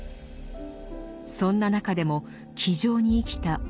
そんな中でも気丈に生きた